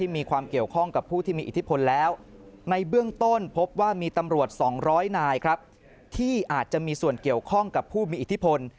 มีส่วนเกี่ยวข้องกับผู้มีอิทธิพล